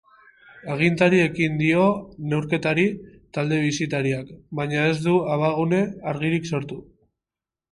Agintari ekin dio neurketari talde bisitariak, baina ez du abagune argirik sortu.